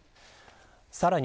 さらに、